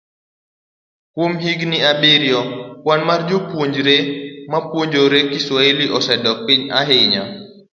Kuom higini abiriyo, kwan mar jopuonjre mapuonjore Kiswahili osedok piny ahinya.